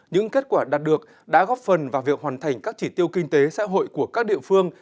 những kết quả đạt được đã góp phần vào việc hoàn thành các chỉ tiêu kinh tế xã hội của các địa phương